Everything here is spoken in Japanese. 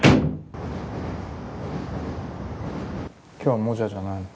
今日はモジャじゃないの？